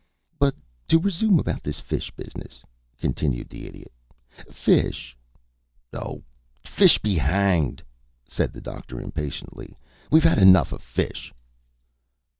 "But to resume about this fish business," continued the Idiot. "Fish " "Oh, fish be hanged!" said the Doctor, impatiently. "We've had enough of fish."